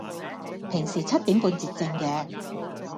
平時七點半截症嘅